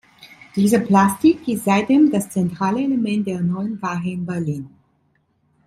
Diese Plastik ist seitdem das zentrale Element der Neuen Wache in Berlin.